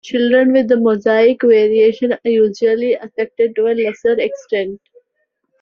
Children with the mosaic variation are usually affected to a lesser extent.